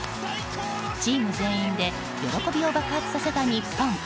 チーム全員で喜びを爆発させた日本。